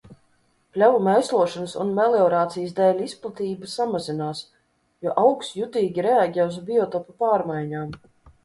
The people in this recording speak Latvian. Pļavu mēslošanas un meliorācijas dēļ izplatība samazinās, jo augs jutīgi reaģē uz biotopa pārmaiņām.